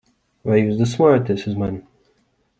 Vai jūs dusmojaties uz mani?